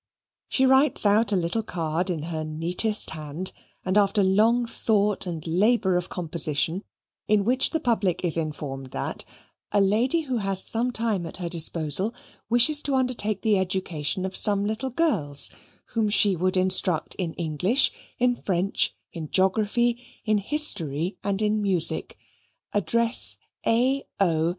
She writes out a little card in her neatest hand, and after long thought and labour of composition, in which the public is informed that "A Lady who has some time at her disposal, wishes to undertake the education of some little girls, whom she would instruct in English, in French, in Geography, in History, and in Music address A. O.